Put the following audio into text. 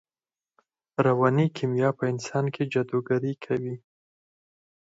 رواني کیمیا په انسان کې جادوګري کوي